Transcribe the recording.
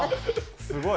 すごい。